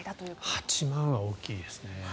８万は大きいですね。